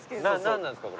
なんなんですか？